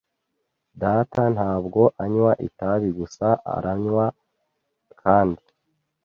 Data ntabwo anywa itabi gusa, aranywa kandi.